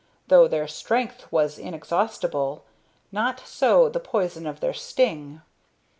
Though their strength was inexhaustible, not so the poison of their sting.